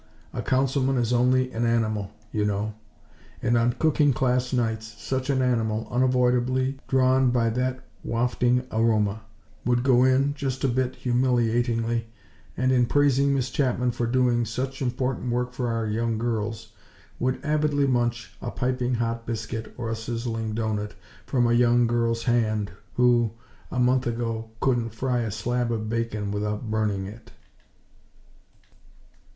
A Councilman is only an animal, you know; and, on cooking class nights, such an animal, unavoidably drawn by that wafting aroma, would go in, just a bit humiliatingly, and, in praising Miss Chapman for doing "such important work for our young girls," would avidly munch a piping hot biscuit or a sizzling doughnut from a young girl's hand, who, a month ago, couldn't fry a slab of bacon without burning it.